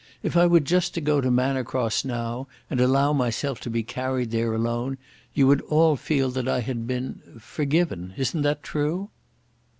If I were just to go to Manor Cross now, and allow myself to be carried there alone, you would all feel that I had been forgiven. Isn't that true?"